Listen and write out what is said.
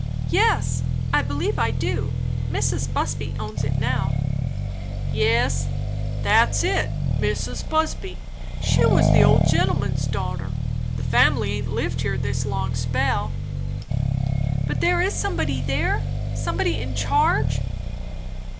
"Yes, I believe I do. Mrs. Busby owns it now." "That's it. Mrs. Busby. She was the old gentleman's daughter. The family aint lived here this long spell." "But there is somebody there? somebody in charge?"